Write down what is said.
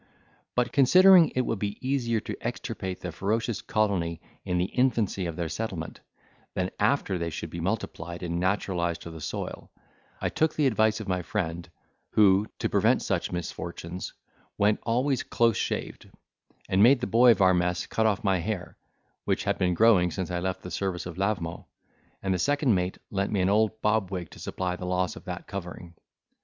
But, considering it would be easier to extirpate the ferocious colony in the infancy of their settlement, than after they should be multiplied and naturalised to the soil, I took the advice of my friend, who, to prevent such misfortunes, went always close shaved, and made the boy of our mess cut off my hair, which had been growing since I left the service of Lavement; and the second mate lent me an old bobwig to supply the loss of that covering.